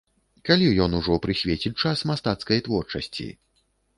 Калі ён ужо прысвеціць час мастацкай творчасці?